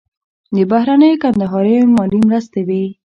د بهرنیو کندهاریو مالي مرستې وې.